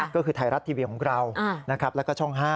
ก็คือไทยรัฐทีวีของเรานะครับแล้วก็ช่อง๕